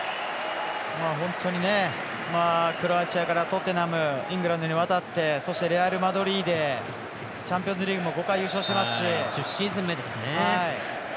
本当にクロアチアからトッテナムイングランドに渡ってレアルマドリードでチャンピオンズリーグも５回、優勝していますし。